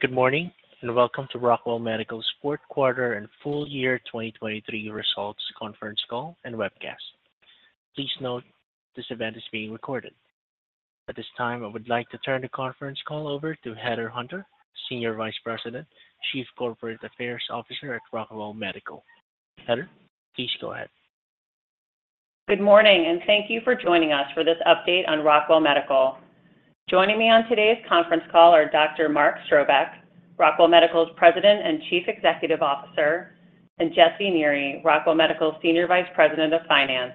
Good morning and welcome to Rockwell Medical's fourth quarter and full-year 2023 results conference call and webcast. Please note this event is being recorded. At this time, I would like to turn the conference call over to Heather Hunter, Senior Vice President, Chief Corporate Affairs Officer at Rockwell Medical. Heather, please go ahead. Good morning and thank you for joining us for this update on Rockwell Medical. Joining me on today's conference call are Dr. Mark Strobeck, Rockwell Medical's President and Chief Executive Officer, and Jesse Neri, Rockwell Medical's Senior Vice President of Finance.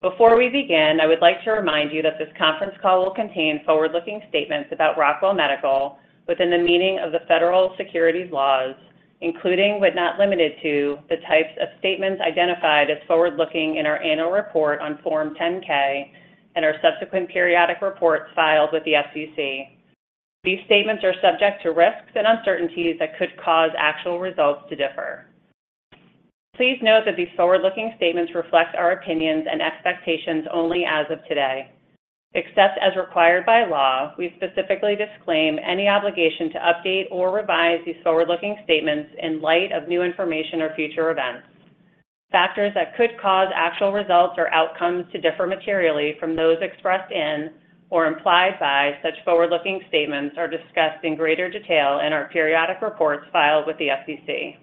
Before we begin, I would like to remind you that this conference call will contain forward-looking statements about Rockwell Medical within the meaning of the federal securities laws, including but not limited to the types of statements identified as forward-looking in our annual report on Form 10-K and our subsequent periodic reports filed with the SEC. These statements are subject to risks and uncertainties that could cause actual results to differ. Please note that these forward-looking statements reflect our opinions and expectations only as of today. Except as required by law, we specifically disclaim any obligation to update or revise these forward-looking statements in light of new information or future events. Factors that could cause actual results or outcomes to differ materially from those expressed in or implied by such forward-looking statements are discussed in greater detail in our periodic reports filed with the SEC.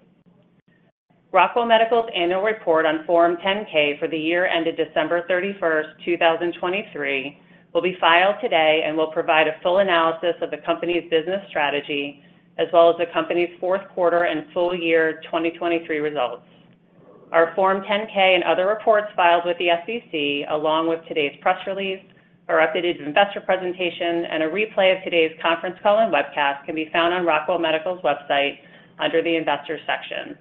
Rockwell Medical's annual report on Form 10-K for the year-ended December 31st, 2023, will be filed today and will provide a full analysis of the company's business strategy as well as the company's fourth quarter and full-year 2023 results. Our Form 10-K and other reports filed with the SEC, along with today's press release, our updated investor presentation, and a replay of today's conference call and webcast, can be found on Rockwell Medical's website under the Investors section.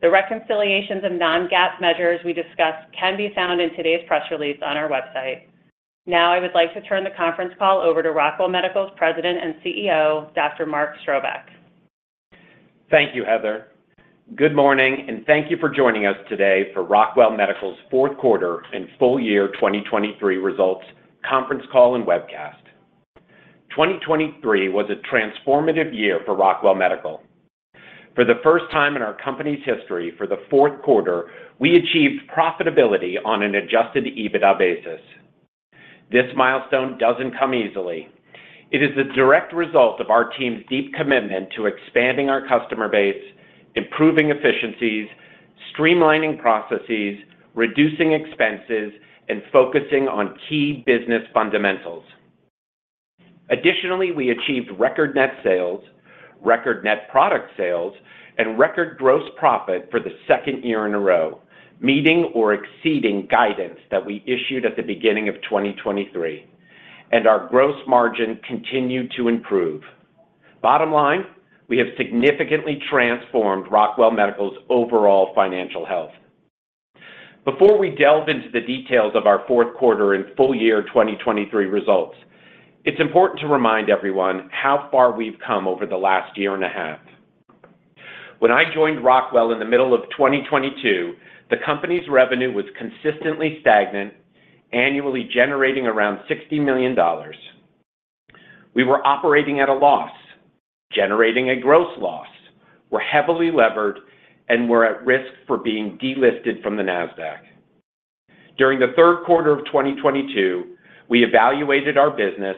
The reconciliations of non-GAAP measures we discussed can be found in today's press release on our website. Now, I would like to turn the conference call over to Rockwell Medical's President and CEO, Dr. Mark Strobeck. Thank you, Heather. Good morning and thank you for joining us today for Rockwell Medical's fourth quarter and full-year 2023 results conference call and webcast. 2023 was a transformative year for Rockwell Medical. For the first time in our company's history for the fourth quarter, we achieved profitability on an Adjusted EBITDA basis. This milestone doesn't come easily. It is the direct result of our team's deep commitment to expanding our customer base, improving efficiencies, streamlining processes, reducing expenses, and focusing on key business fundamentals. Additionally, we achieved record net sales, record net product sales, and record gross profit for the second year in a row, meeting or exceeding guidance that we issued at the beginning of 2023, and our gross margin continued to improve. Bottom line, we have significantly transformed Rockwell Medical's overall financial health. Before we delve into the details of our fourth quarter and full-year 2023 results, it's important to remind everyone how far we've come over the last year and a half. When I joined Rockwell in the middle of 2022, the company's revenue was consistently stagnant, annually generating around $60 million. We were operating at a loss, generating a gross loss, were heavily levered, and were at risk for being delisted from the Nasdaq. During the third quarter of 2022, we evaluated our business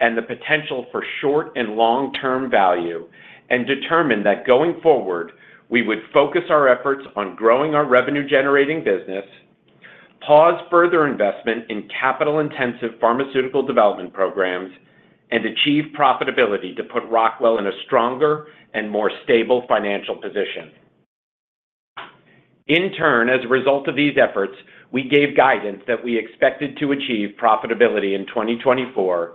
and the potential for short and long-term value and determined that going forward, we would focus our efforts on growing our revenue-generating business, pause further investment in capital-intensive pharmaceutical development programs, and achieve profitability to put Rockwell in a stronger and more stable financial position. In turn, as a result of these efforts, we gave guidance that we expected to achieve profitability in 2024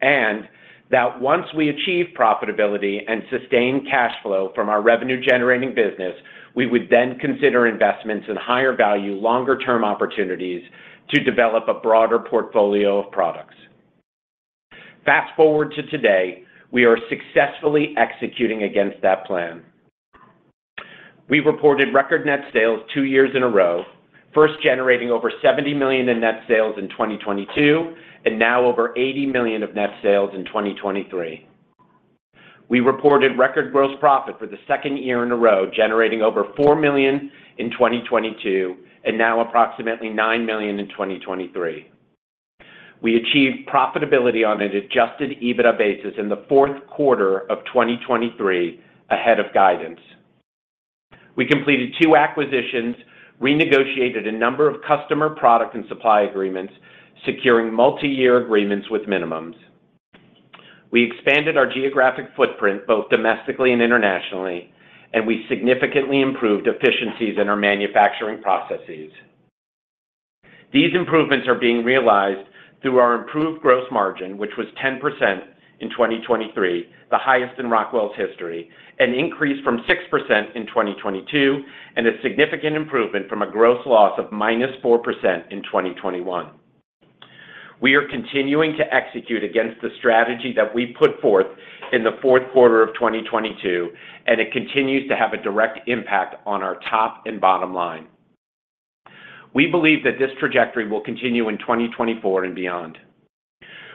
and that once we achieve profitability and sustain cash flow from our revenue-generating business, we would then consider investments in higher-value, longer-term opportunities to develop a broader portfolio of products. Fast forward to today, we are successfully executing against that plan. We reported record net sales two years in a row, first generating over $70 million net sales in 2022 and now over $80 million of net sales in 2023. We reported record gross profit for the second year in a row, generating over $4 million in 2022 and now approximately $9 million in 2023. We achieved profitability on an Adjusted EBITDA basis in the fourth quarter of 2023 ahead of guidance. We completed two acquisitions, renegotiated a number of customer product and supply agreements, securing multi-year agreements with minimums. We expanded our geographic footprint both domestically and internationally, and we significantly improved efficiencies in our manufacturing processes. These improvements are being realized through our improved gross margin, which was 10% in 2023, the highest in Rockwell's history, an increase from 6% in 2022, and a significant improvement from a gross loss of -4% in 2021. We are continuing to execute against the strategy that we put forth in the fourth quarter of 2022, and it continues to have a direct impact on our top and bottom line. We believe that this trajectory will continue in 2024 and beyond.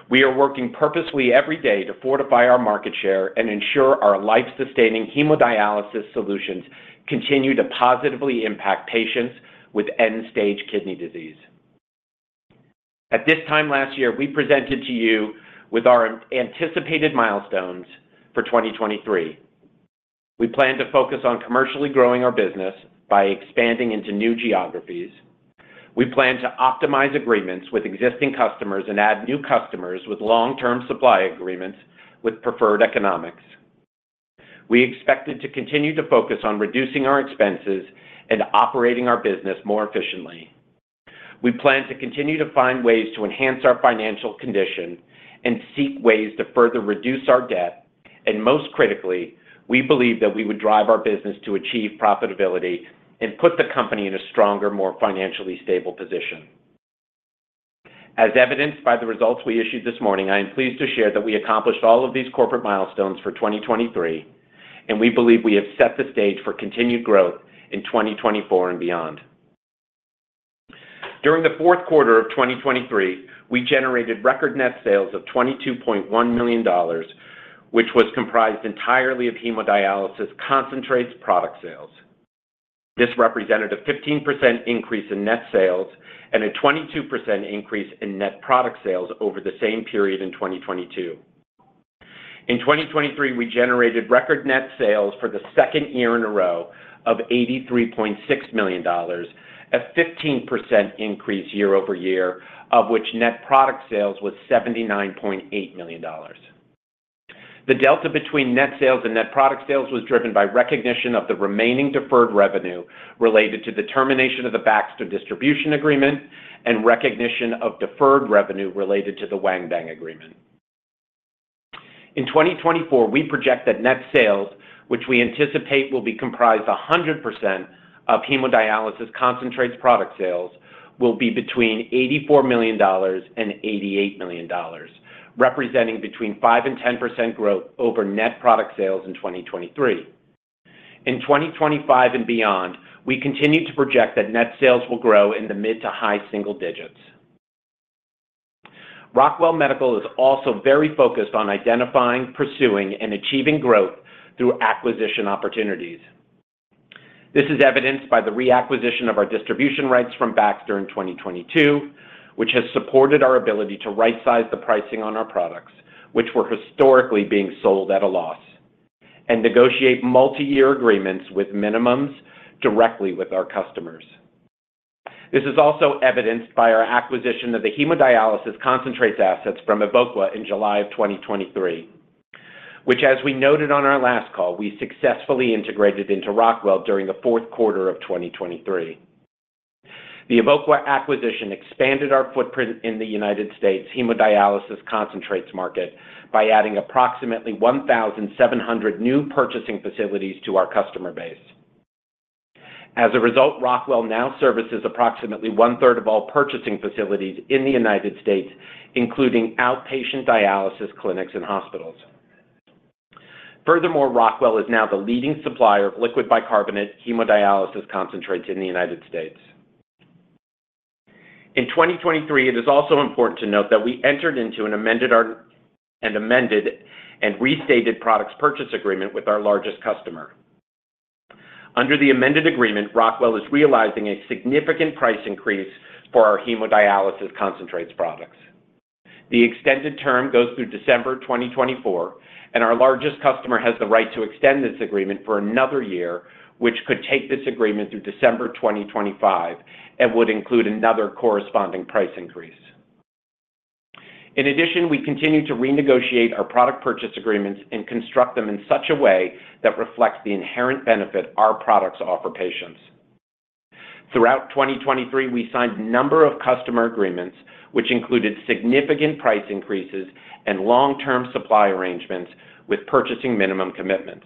We are working purposely every day to fortify our market share and ensure our life-sustaining hemodialysis solutions continue to positively impact patients with end-stage kidney disease. At this time last year, we presented to you with our anticipated milestones for 2023. We plan to focus on commercially growing our business by expanding into new geographies. We plan to optimize agreements with existing customers and add new customers with long-term supply agreements with preferred economics. We expected to continue to focus on reducing our expenses and operating our business more efficiently. We plan to continue to find ways to enhance our financial condition and seek ways to further reduce our debt, and most critically, we believe that we would drive our business to achieve profitability and put the company in a stronger, more financially stable position. As evidenced by the results we issued this morning, I am pleased to share that we accomplished all of these corporate milestones for 2023, and we believe we have set the stage for continued growth in 2024 and beyond. During the fourth quarter of 2023, we generated record net sales of $22.1 million, which was comprised entirely of hemodialysis concentrates product sales. This represented a 15% increase in net sales and a 22% increase in net product sales over the same period in 2022. In 2023, we generated record net sales for the second year in a row of $83.6 million, a 15% increase year-over-year, of which net product sales was $79.8 million. The delta between net sales and net product sales was driven by recognition of the remaining deferred revenue related to the termination of the Baxter Distribution Agreement and recognition of deferred revenue related to the Wanbang Agreement. In 2024, we project that net sales, which we anticipate will be comprised 100% of hemodialysis concentrates product sales, will be between $84 million-$88 million, representing 5%-10% growth over net product sales in 2023. In 2025 and beyond, we continue to project that net sales will grow in the mid to high single-digits. Rockwell Medical is also very focused on identifying, pursuing, and achieving growth through acquisition opportunities. This is evidenced by the reacquisition of our distribution rights from Baxter in 2022, which has supported our ability to right-size the pricing on our products, which were historically being sold at a loss, and negotiate multi-year agreements with minimums directly with our customers. This is also evidenced by our acquisition of the hemodialysis concentrates assets from Evoqua in July of 2023, which, as we noted on our last call, we successfully integrated into Rockwell during the fourth quarter of 2023. The Evoqua acquisition expanded our footprint in the United States hemodialysis concentrates market by adding approximately 1,700 new purchasing facilities to our customer base. As a result, Rockwell now services approximately one-third of all purchasing facilities in the United States, including outpatient dialysis clinics and hospitals. Furthermore, Rockwell is now the leading supplier of liquid bicarbonate hemodialysis concentrates in the United States. In 2023, it is also important to note that we entered into and amended and restated products purchase agreement with our largest customer. Under the amended agreement, Rockwell is realizing a significant price increase for our hemodialysis concentrates products. The extended term goes through December 2024, and our largest customer has the right to extend this agreement for another year, which could take this agreement through December 2025 and would include another corresponding price increase. In addition, we continue to renegotiate our product purchase agreements and construct them in such a way that reflects the inherent benefit our products offer patients. Throughout 2023, we signed a number of customer agreements, which included significant price increases and long-term supply arrangements with purchasing minimum commitments.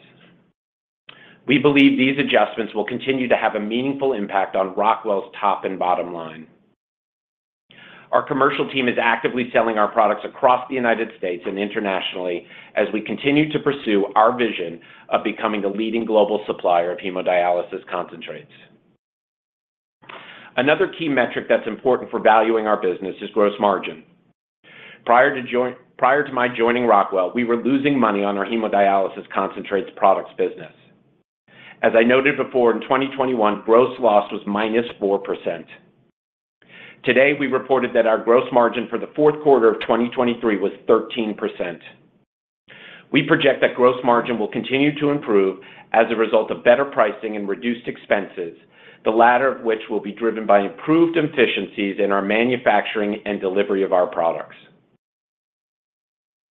We believe these adjustments will continue to have a meaningful impact on Rockwell's top and bottom line. Our commercial team is actively selling our products across the United States and internationally as we continue to pursue our vision of becoming the leading global supplier of hemodialysis concentrates. Another key metric that's important for valuing our business is gross margin. Prior to my joining Rockwell, we were losing money on our hemodialysis concentrates products business. As I noted before, in 2021, gross loss was -4%. Today, we reported that our gross margin for the fourth quarter of 2023 was 13%. We project that gross margin will continue to improve as a result of better pricing and reduced expenses, the latter of which will be driven by improved efficiencies in our manufacturing and delivery of our products.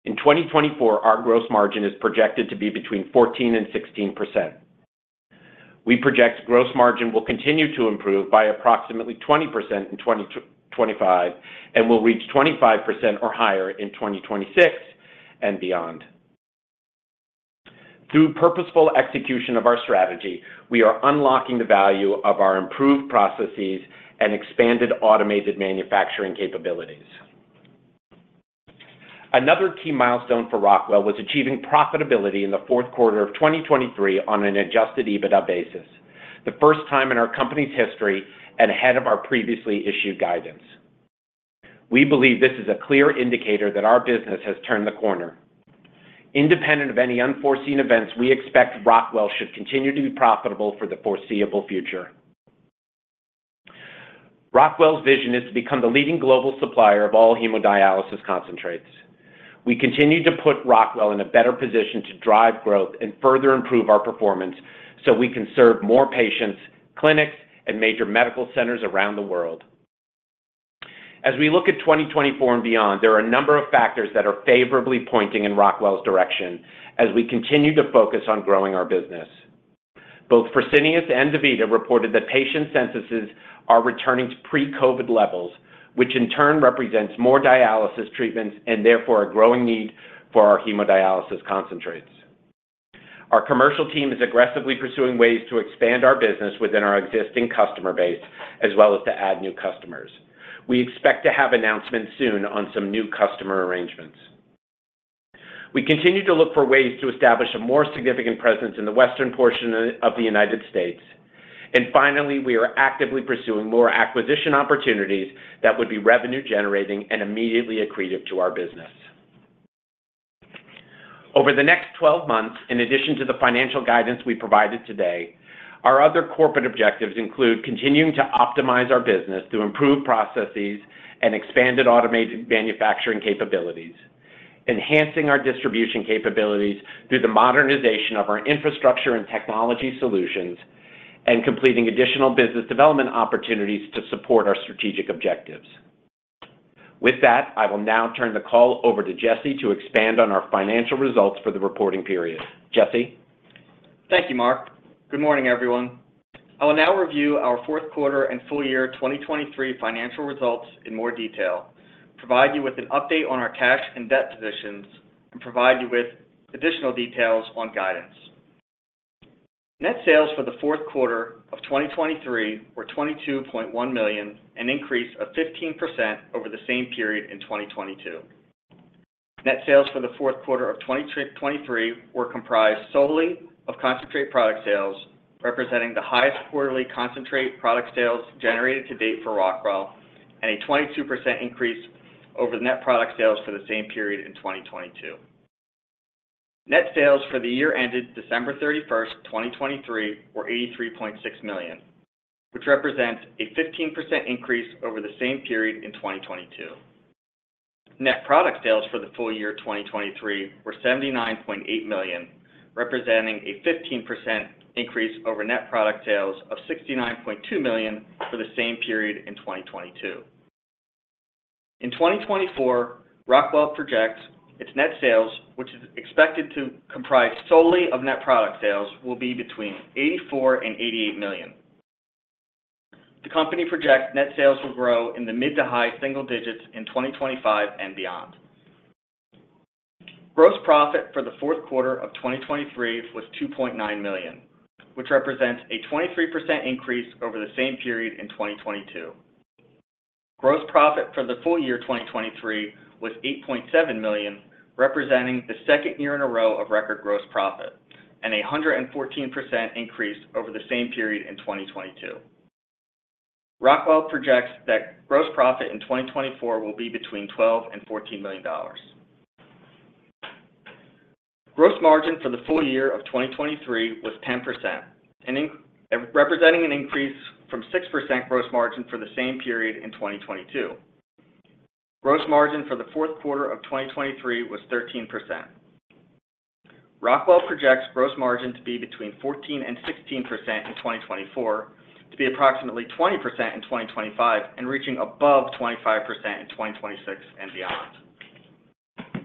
In 2024, our gross margin is projected to be between 14%-16%. We project gross margin will continue to improve by approximately 20% in 2025 and will reach 25% or higher in 2026 and beyond. Through purposeful execution of our strategy, we are unlocking the value of our improved processes and expanded automated manufacturing capabilities. Another key milestone for Rockwell was achieving profitability in the fourth quarter of 2023 on an Adjusted EBITDA basis, the first time in our company's history and ahead of our previously issued guidance. We believe this is a clear indicator that our business has turned the corner. Independent of any unforeseen events, we expect Rockwell should continue to be profitable for the foreseeable future. Rockwell's vision is to become the leading global supplier of all hemodialysis concentrates. We continue to put Rockwell in a better position to drive growth and further improve our performance so we can serve more patients, clinics, and major medical centers around the world. As we look at 2024 and beyond, there are a number of factors that are favorably pointing in Rockwell's direction as we continue to focus on growing our business. Both Fresenius and DaVita reported that patient censuses are returning to pre-COVID levels, which in turn represents more dialysis treatments and therefore a growing need for our hemodialysis concentrates. Our commercial team is aggressively pursuing ways to expand our business within our existing customer base as well as to add new customers. We expect to have announcements soon on some new customer arrangements. We continue to look for ways to establish a more significant presence in the western portion of the United States. And finally, we are actively pursuing more acquisition opportunities that would be revenue-generating and immediately accretive to our business. Over the next 12 months, in addition to the financial guidance we provided today, our other corporate objectives include continuing to optimize our business through improved processes and expanded automated manufacturing capabilities, enhancing our distribution capabilities through the modernization of our infrastructure and technology solutions, and completing additional business development opportunities to support our strategic objectives. With that, I will now turn the call over to Jesse to expand on our financial results for the reporting period. Jesse? Thank you, Mark. Good morning, everyone. I will now review our fourth quarter and full-year 2023 financial results in more detail, provide you with an update on our cash and debt positions, and provide you with additional details on guidance. net sales for the fourth quarter of 2023 were $22.1 million, an increase of 15% over the same period in 2022. net sales for the fourth quarter of 2023 were comprised solely of concentrate product sales, representing the highest quarterly concentrate product sales generated to date for Rockwell, and a 22% increase over the net product sales for the same period in 2022. net sales for the year-ended December 31st, 2023, were $83.6 million, which represents a 15% increase over the same period in 2022. Net product sales for the full-year 2023 were $79.8 million, representing a 15% increase over net product sales of $69.2 million for the same period in 2022. In 2024, Rockwell projects its net sales, which is expected to comprise solely of net product sales, will be between $84 million and $88 million. The company projects net sales will grow in the mid to high single-digits in 2025 and beyond. gross profit for the fourth quarter of 2023 was $2.9 million, which represents a 23% increase over the same period in 2022. gross profit for the full-year 2023 was $8.7 million, representing the second year in a row of record gross profit and a 114% increase over the same period in 2022. Rockwell projects that gross profit in 2024 will be between $12 million and $14 million. gross margin for the full-year of 2023 was 10%, representing an increase from 6% gross margin for the same period in 2022. gross margin for the fourth quarter of 2023 was 13%. Rockwell projects gross margin to be between 14% and 16% in 2024, to be approximately 20% in 2025, and reaching above 25% in 2026 and beyond.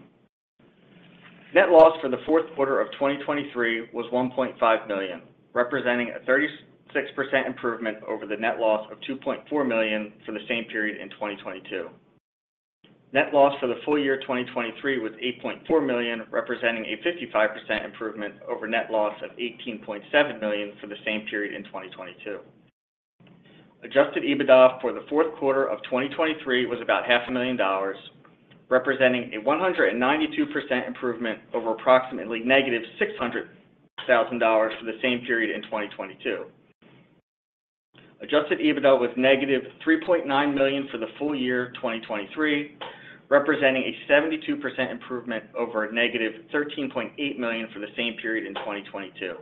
Net loss for the fourth quarter of 2023 was $1.5 million, representing a 36% improvement over the net loss of $2.4 million for the same period in 2022. Net loss for the full-year 2023 was $8.4 million, representing a 55% improvement over net loss of $18.7 million for the same period in 2022. Adjusted EBITDA for the fourth quarter of 2023 was about $500,000, representing a 192% improvement over approximately negative $600,000 for the same period in 2022. Adjusted EBITDA was negative $3.9 million for the full-year 2023, representing a 72% improvement over negative $13.8 million for the same period in 2022.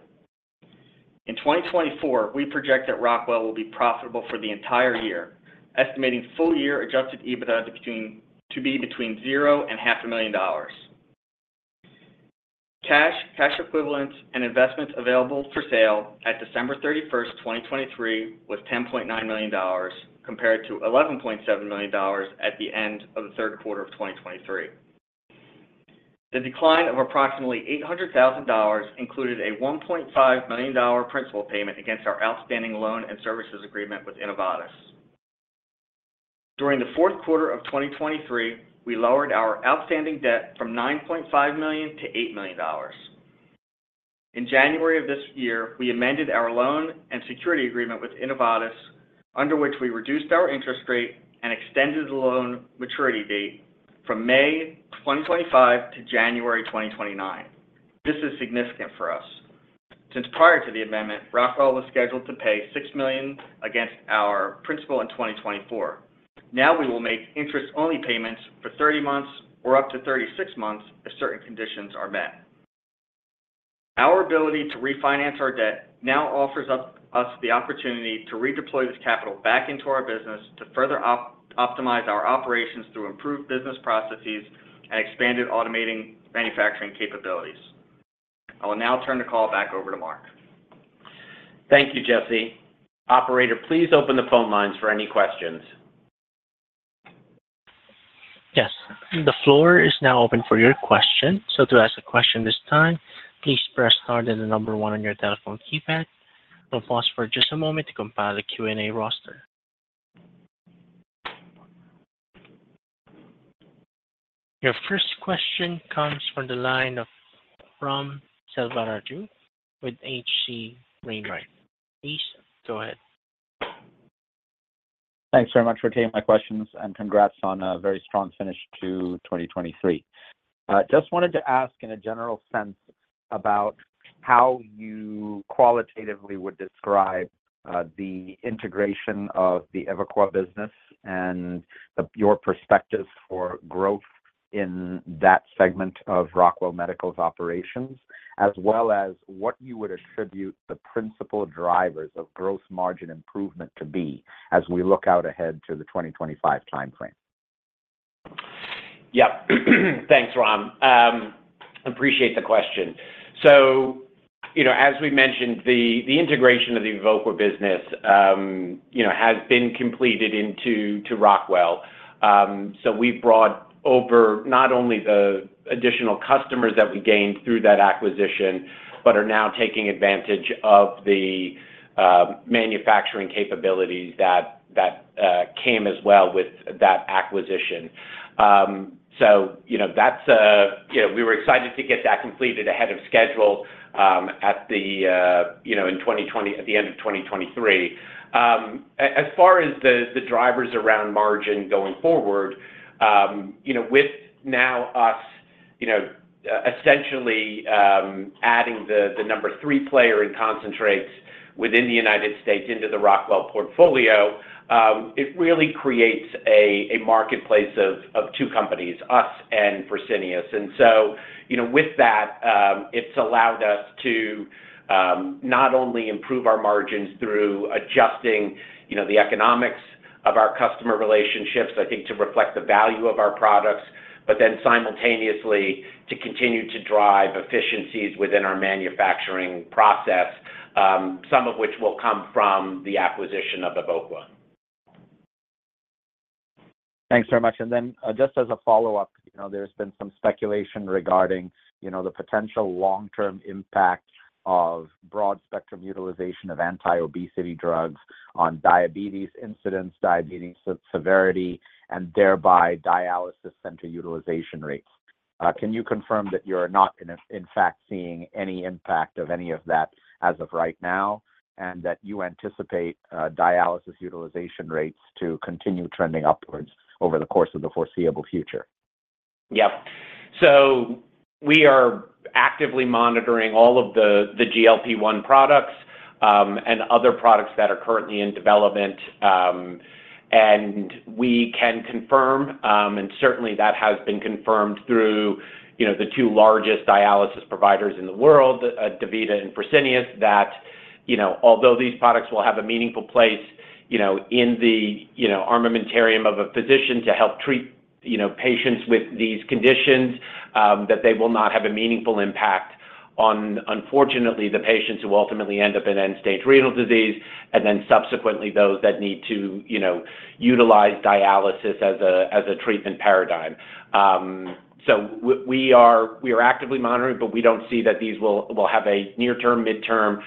In 2024, we project that Rockwell will be profitable for the entire year, estimating full-year adjusted EBITDA to be between 0 and $500,000. Cash, cash equivalents, and investments available for sale at December 31st, 2023, was $10.9 million compared to $11.7 million at the end of the third quarter of 2023. The decline of approximately $800,000 included a $1.5 million principal payment against our outstanding loan and security agreement with Innovatus. During the fourth quarter of 2023, we lowered our outstanding debt from $9.5 million to $8 million. In January of this year, we amended our loan and security agreement with Innovatus, under which we reduced our interest rate and extended the loan maturity date from May 2025 to January 2029. This is significant for us. Since prior to the amendment, Rockwell was scheduled to pay $6 million against our principal in 2024. Now we will make interest-only payments for 30 months or up to 36 months if certain conditions are met. Our ability to refinance our debt now offers us the opportunity to redeploy this capital back into our business to further optimize our operations through improved business processes and expanded automated manufacturing capabilities. I will now turn the call back over to Mark. Thank you, Jesse. Operator, please open the phone lines for any questions. Yes. The floor is now open for your question. So to ask a question this time, please press star one on your telephone keypad. We'll pause for just a moment to compile the Q&A roster. Your first question comes from the line of Selvaraju with H.C. Wainwright. Please go ahead. Thanks very much for taking my questions and congrats on a very strong finish to 2023. Just wanted to ask in a general sense about how you qualitatively would describe the integration of the Evoqua business and your perspective for growth in that segment of Rockwell Medical's operations, as well as what you would attribute the principal drivers of gross margin improvement to be as we look out ahead to the 2025 timeframe. Yep. Thanks, Ram. Appreciate the question. So as we mentioned, the integration of the Evoqua business has been completed into Rockwell. So we've brought over not only the additional customers that we gained through that acquisition, but are now taking advantage of the manufacturing capabilities that came as well with that acquisition. So that's. We were excited to get that completed ahead of schedule at the end of 2023. As far as the drivers around margin going forward, with now us essentially adding the number three player in concentrates within the United States into the Rockwell portfolio, it really creates a marketplace of two companies, us and Fresenius. And so with that, it's allowed us to not only improve our margins through adjusting the economics of our customer relationships, I think, to reflect the value of our products, but then simultaneously to continue to drive efficiencies within our manufacturing process, some of which will come from the acquisition of Evoqua. Thanks very much. And then just as a follow-up, there has been some speculation regarding the potential long-term impact of broad-spectrum utilization of anti-obesity drugs on diabetes incidence, diabetes severity, and thereby dialysis center utilization rates. Can you confirm that you're not, in fact, seeing any impact of any of that as of right now and that you anticipate dialysis utilization rates to continue trending upwards over the course of the foreseeable future? Yep. So we are actively monitoring all of the GLP-1 products and other products that are currently in development. And we can confirm, and certainly that has been confirmed through the two largest dialysis providers in the world, DaVita and Fresenius, that although these products will have a meaningful place in the armamentarium of a physician to help treat patients with these conditions, that they will not have a meaningful impact on, unfortunately, the patients who ultimately end up in end-stage renal disease and then subsequently those that need to utilize dialysis as a treatment paradigm. So we are actively monitoring, but we don't see that these will have a near-term, mid-term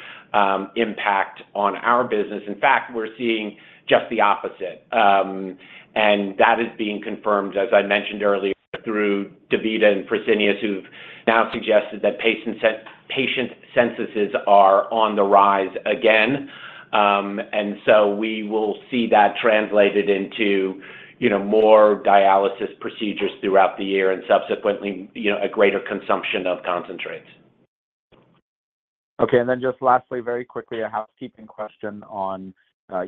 impact on our business. In fact, we're seeing just the opposite. And that is being confirmed, as I mentioned earlier, through DaVita and Fresenius, who've now suggested that patient censuses are on the rise again. And so we will see that translated into more dialysis procedures throughout the year and subsequently a greater consumption of concentrates. Okay. And then just lastly, very quickly, a housekeeping question on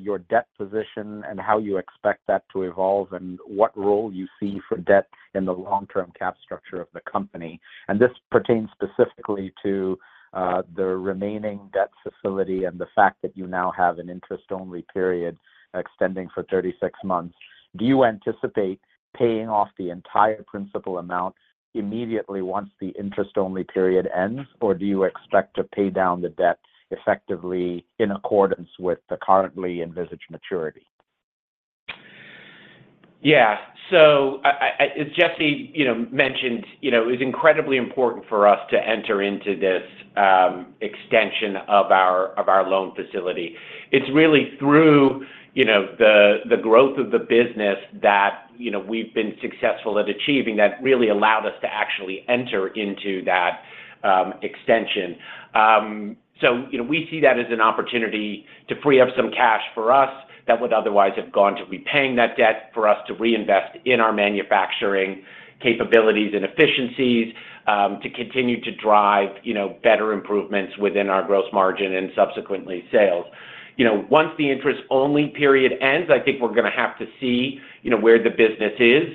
your debt position and how you expect that to evolve and what role you see for debt in the long-term cap structure of the company. And this pertains specifically to the remaining debt facility and the fact that you now have an interest-only period extending for 36 months. Do you anticipate paying off the entire principal amount immediately once the interest-only period ends, or do you expect to pay down the debt effectively in accordance with the currently envisaged maturity? Yeah. So as Jesse mentioned, it was incredibly important for us to enter into this extension of our loan facility. It's really through the growth of the business that we've been successful at achieving that really allowed us to actually enter into that extension. So we see that as an opportunity to free up some cash for us that would otherwise have gone to repaying that debt, for us to reinvest in our manufacturing capabilities and efficiencies, to continue to drive better improvements within our gross margin and subsequently sales. Once the interest-only period ends, I think we're going to have to see where the business is,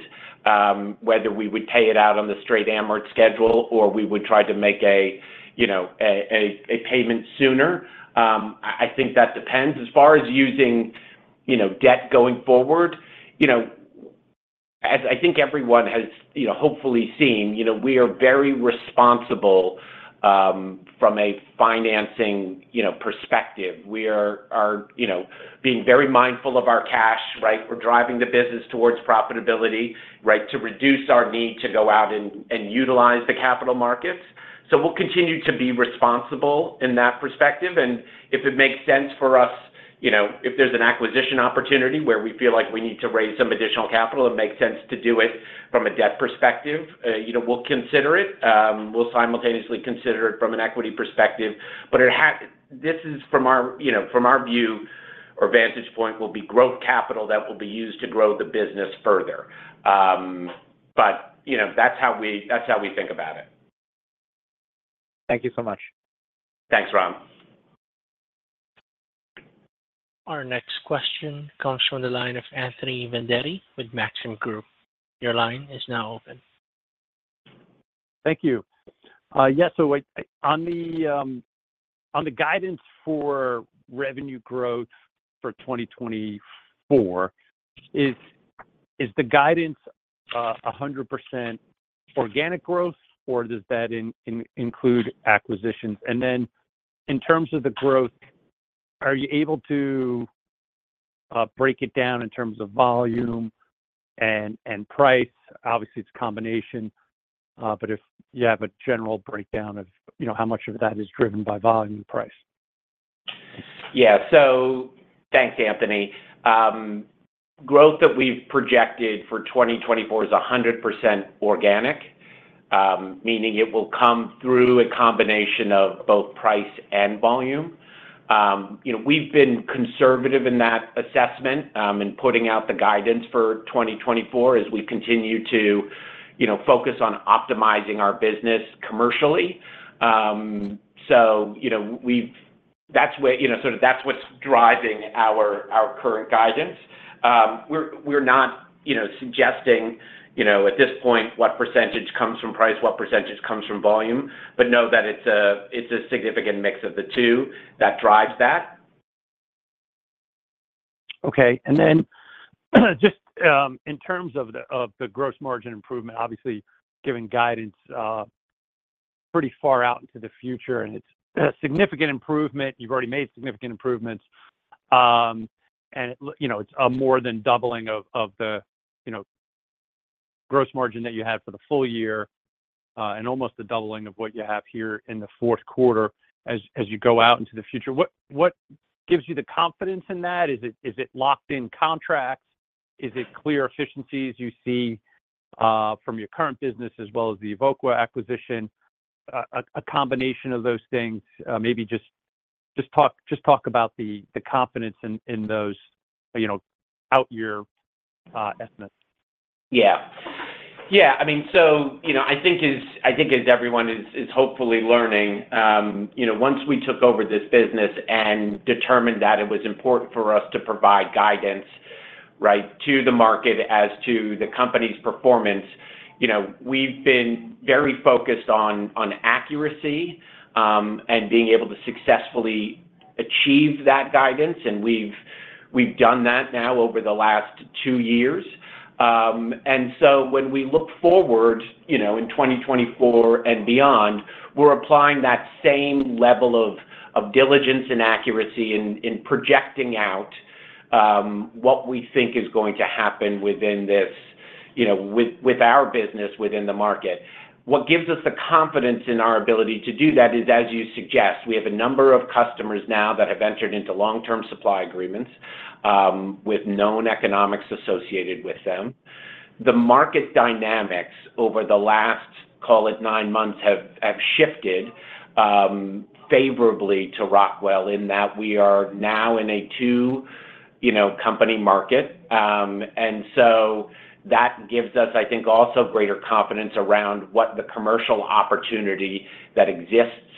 whether we would pay it out on the straight amortization schedule or we would try to make a payment sooner. I think that depends. As far as using debt going forward, as I think everyone has hopefully seen, we are very responsible from a financing perspective. We are being very mindful of our cash, right? We're driving the business towards profitability, right, to reduce our need to go out and utilize the capital markets. So we'll continue to be responsible in that perspective. And if it makes sense for us if there's an acquisition opportunity where we feel like we need to raise some additional capital and make sense to do it from a debt perspective, we'll consider it. We'll simultaneously consider it from an equity perspective. But this is, from our view or vantage point, will be growth capital that will be used to grow the business further. But that's how we think about it. Thank you so much. Thanks, Ram. Our next question comes from the line of Anthony Vendetti with Maxim Group. Your line is now open. Thank you. Yeah. So on the guidance for revenue growth for 2024, is the guidance 100% organic growth, or does that include acquisitions? And then in terms of the growth, are you able to break it down in terms of volume and price? Obviously, it's a combination, but if you have a general breakdown of how much of that is driven by volume and price. Yeah. So thanks, Anthony. Growth that we've projected for 2024 is 100% organic, meaning it will come through a combination of both price and volume. We've been conservative in that assessment and putting out the guidance for 2024 as we continue to focus on optimizing our business commercially. So that's where sort of that's what's driving our current guidance. We're not suggesting at this point what percentage comes from price, what percentage comes from volume, but know that it's a significant mix of the two that drives that. Okay. And then just in terms of the gross margin improvement, obviously, giving guidance pretty far out into the future, and it's a significant improvement. You've already made significant improvements. And it's a more than doubling of the gross margin that you had for the full-year and almost a doubling of what you have here in the fourth quarter as you go out into the future. What gives you the confidence in that? Is it locked-in contracts? Is it clear efficiencies you see from your current business as well as the Evoqua acquisition, a combination of those things? Maybe just talk about the confidence in those out-year estimates. Yeah. Yeah. I mean, so I think as everyone is hopefully learning, once we took over this business and determined that it was important for us to provide guidance, right, to the market as to the company's performance, we've been very focused on accuracy and being able to successfully achieve that guidance. And we've done that now over the last two years. And so when we look forward in 2024 and beyond, we're applying that same level of diligence and accuracy in projecting out what we think is going to happen within this with our business within the market. What gives us the confidence in our ability to do that is, as you suggest, we have a number of customers now that have entered into long-term supply agreements with known economics associated with them. The market dynamics over the last, call it, nine months have shifted favorably to Rockwell in that we are now in a two-company market. And so that gives us, I think, also greater confidence around what the commercial opportunity that exists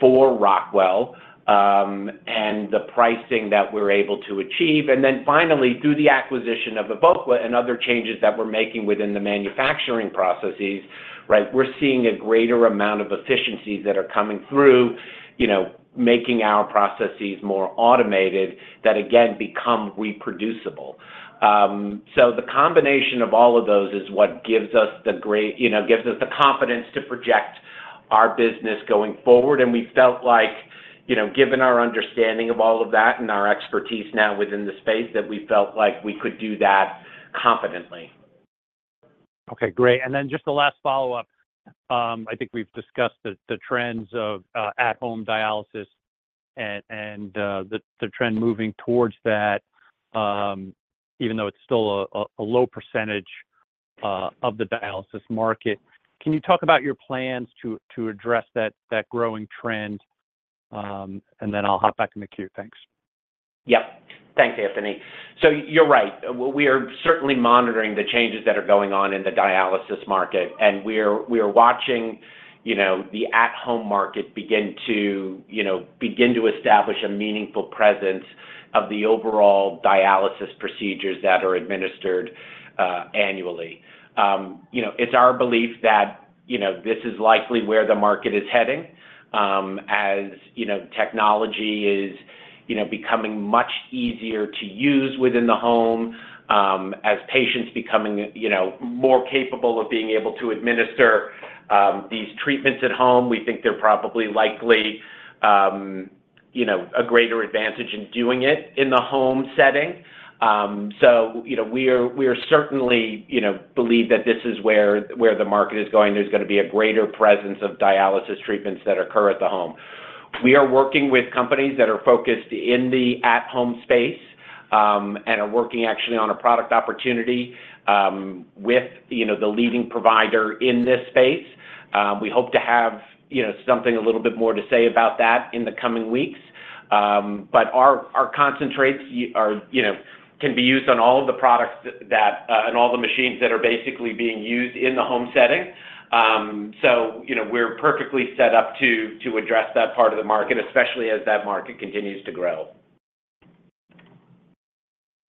for Rockwell and the pricing that we're able to achieve. And then finally, through the acquisition of Evoqua and other changes that we're making within the manufacturing processes, right, we're seeing a greater amount of efficiencies that are coming through making our processes more automated that, again, become reproducible. So the combination of all of those is what gives us the confidence to project our business going forward. And we felt like, given our understanding of all of that and our expertise now within the space, that we felt like we could do that confidently. Okay. Great. And then just the last follow-up. I think we've discussed the trends of at-home dialysis and the trend moving towards that, even though it's still a low percentage of the dialysis market. Can you talk about your plans to address that growing trend? And then I'll hop back in the queue. Thanks. Yep. Thanks, Anthony. So you're right. We are certainly monitoring the changes that are going on in the dialysis market. And we are watching the at-home market begin to establish a meaningful presence of the overall dialysis procedures that are administered annually. It's our belief that this is likely where the market is heading as technology is becoming much easier to use within the home, as patients are becoming more capable of being able to administer these treatments at home. We think there's probably a greater advantage in doing it in the home setting. So we certainly believe that this is where the market is going. There's going to be a greater presence of dialysis treatments that occur at the home. We are working with companies that are focused in the at-home space and are actually working on a product opportunity with the leading provider in this space. We hope to have something a little bit more to say about that in the coming weeks. But our concentrates can be used on all of the products and all the machines that are basically being used in the home setting. So we're perfectly set up to address that part of the market, especially as that market continues to grow.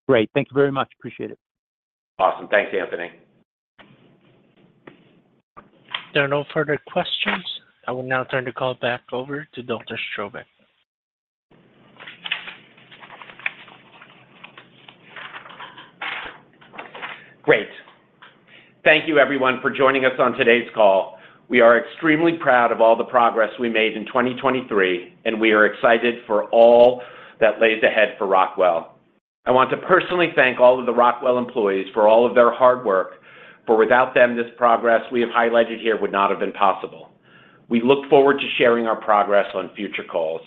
Great. Thank you very much. Appreciate it. Awesome. Thanks, Anthony. There are no further questions. I will now turn the call back over to Dr. Strobeck. Great. Thank you, everyone, for joining us on today's call. We are extremely proud of all the progress we made in 2023, and we are excited for all that lays ahead for Rockwell. I want to personally thank all of the Rockwell employees for all of their hard work, for without them, this progress we have highlighted here would not have been possible. We look forward to sharing our progress on future calls.